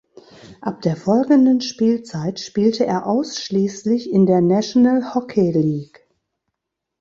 Ab der folgenden Spielzeit spielte er ausschließlich in der National Hockey League.